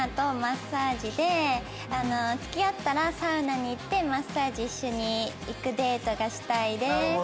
付き合ったらサウナに行ってマッサージ一緒に行くデートがしたいです。